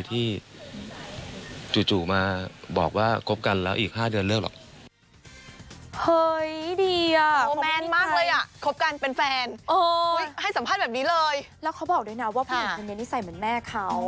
แล้วเขาบอกด้วยนะว่าพี่แอดคืนนี้นิสัยเหมือนแม่เขา